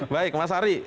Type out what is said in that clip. baik mas ari